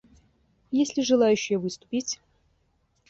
Есть ли желающие выступить?